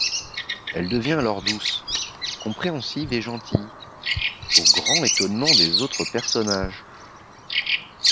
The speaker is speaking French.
Elle devient alors douce, compréhensive et gentille, au grand étonnement des autres personnages.